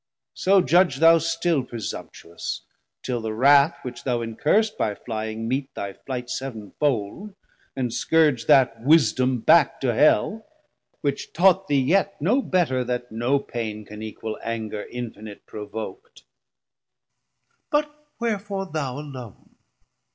So judge thou still, presumptuous, till the wrauth, Which thou incurr'st by flying, meet thy flight Seavenfold, and scourge that wisdom back to Hell, Which taught thee yet no better, that no pain Can equal anger infinite provok't. But wherefore thou alone?